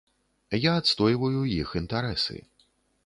Я адстойваю іх інтарэсы.